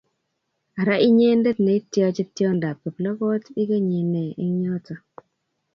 Ara inyendet netiachi tiondap kiplokotit, ikenyi ne eng yoto